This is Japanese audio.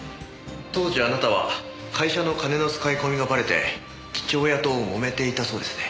当時あなたは会社の金の使い込みがバレて父親ともめていたそうですね。